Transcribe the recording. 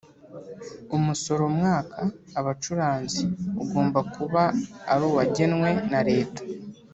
umusoro mwaka abacuranzi ugomba kuba aruwagenwe na leta